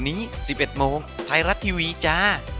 นี่ไม่ใช่เล่นนะ